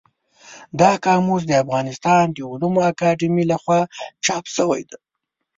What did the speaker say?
دا قاموس د افغانستان د علومو اکاډمۍ له خوا چاپ شوی دی.